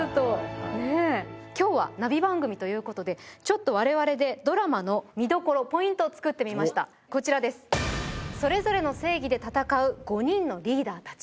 はいはいはい今日はナビ番組ということでちょっと我々でドラマの見どころポイントを作ってみましたこちらです「それぞれの正義で戦う５人のリーダーたち」